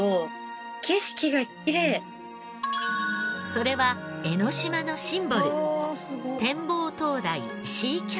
それは江の島のシンボル